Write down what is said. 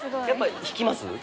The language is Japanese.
やっぱ引きます？